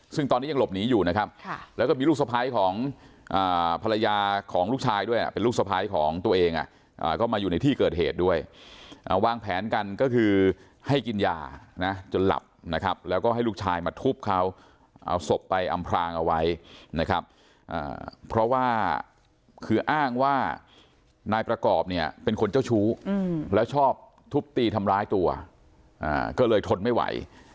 ซึ่งตอนนี้ยังหลบหนีอยู่นะครับแล้วก็มีลูกสะพ้ายของภรรยาของลูกชายด้วยเป็นลูกสะพ้ายของตัวเองก็มาอยู่ในที่เกิดเหตุด้วยวางแผนกันก็คือให้กินยานะจนหลับนะครับแล้วก็ให้ลูกชายมาทุบเขาเอาศพไปอำพรางเอาไว้นะครับเพราะว่าคืออ้างว่านายประกอบเนี่ยเป็นคนเจ้าชู้แล้วชอบทุบตีทำร้ายตัวก็เลยทนไม่ไหว